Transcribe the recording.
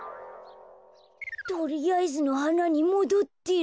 とりあえずのはなにもどってる。